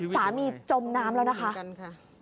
สามีจมน้ำแล้วนะคะ